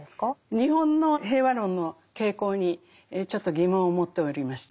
日本の平和論の傾向にちょっと疑問を持っておりました。